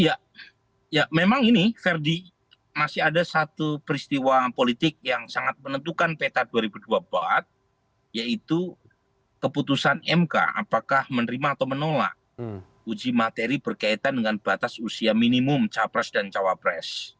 ya memang ini ferdi masih ada satu peristiwa politik yang sangat menentukan peta dua ribu dua puluh empat yaitu keputusan mk apakah menerima atau menolak uji materi berkaitan dengan batas usia minimum capres dan cawapres